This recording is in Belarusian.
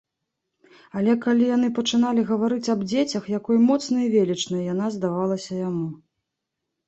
Але калі яны пачыналі гаварыць аб дзецях, якой моцнай і велічнай яна здавалася яму.